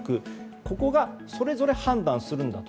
ここがそれぞれ判断するんだと。